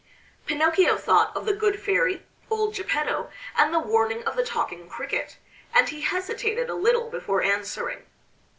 Pinocchio thought of the good Fairy, old Geppetto, and the warning of the Talking cricket, and he hesitated a little before answering.